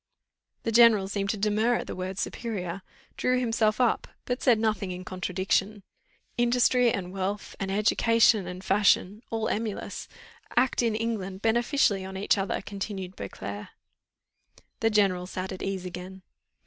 The general seemed to demur at the word superior, drew himself up, but said nothing in contradiction. "Industry, and wealth, and education, and fashion, all emulous, act in England beneficially on each other," continued Beauclerc. The general sat at ease again.